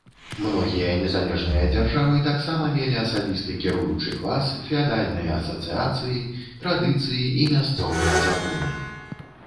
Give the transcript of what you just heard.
Многія незалежныя дзяржавы таксама мелі асабісты кіруючы клас, феадальныя асацыяцыі, традыцыі і мясцовыя законы.